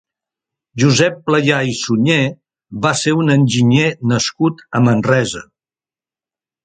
Josep Playà i Suñer va ser un eginyer nascut a Manresa.